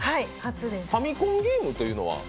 ファミコンゲームというのは？